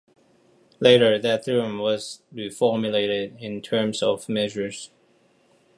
Later, that theorem was reformulated in terms of measures.